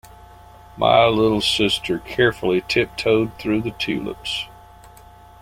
My little sister carefully tiptoed through the tulips.